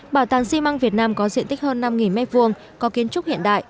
bảo tàng xi măng việt nam có diện tích hơn năm m hai có kiến trúc hiện đại